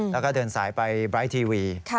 แล้วก็เดินสายไปไลท์ทีวี